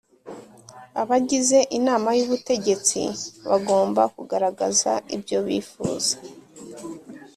Abagize Inama y Ubutegetsi bagomba kugaragaza ibyo bifuza